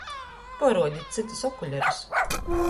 Paruodit cytus okulerus!